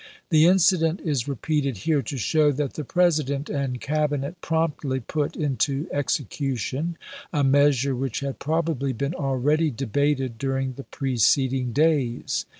The incident is repeated here to show that the President and Cabinet promptly put into execution a measure which had probably been already debated during the preceding days.